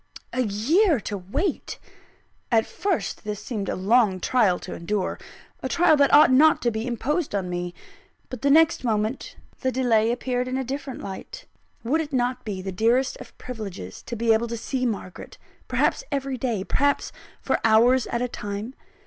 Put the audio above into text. A year to wait! At first, this seemed a long trial to endure, a trial that ought not to be imposed on me. But the next moment, the delay appeared in a different light. Would it not be the dearest of privileges to be able to see Margaret, perhaps every day, perhaps for hours at a time?